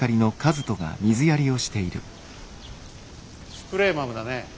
スプレーマムだね。